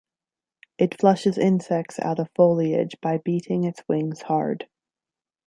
It flushes insects out of foliage by beating its wings hard.